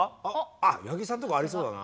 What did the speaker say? あ八木さんとかありそうだな。